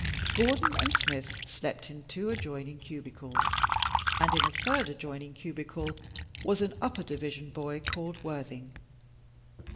Gordon and Smith slept in two adjoining cubicles, and in a third adjoining cubicle was an upper division boy called Worthing.